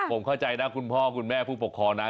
ผมเข้าใจนะคุณพ่อคุณแม่ผู้ปกครองนะ